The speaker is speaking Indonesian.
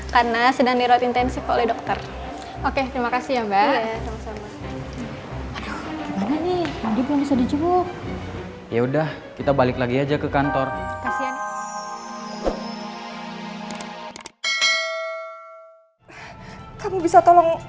kau antar pulang